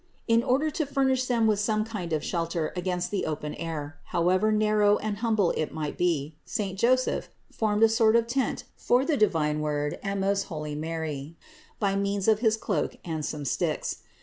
In order to furnish them with some kind of shelter against the open air, however narrow and humble it might be, saint Joseph formed a sort of tent for the divine Word and most holy Mary by means of his cloak and some sticks.